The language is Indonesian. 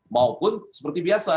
maupun seperti biasa